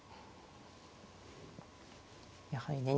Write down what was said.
やはりね